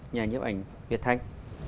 nhà nhiệm ảnh việt thanh